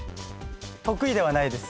得意ではないです。